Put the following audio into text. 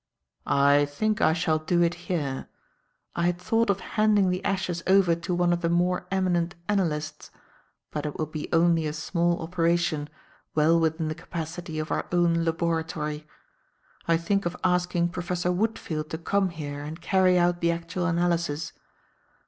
"I think I shall do it here. I had thought of handing the ashes over to one of the more eminent analysts, but it will be only a small operation, well within the capacity of our own laboratory. I think of asking Professor Woodfield to come here and carry out the actual analysis.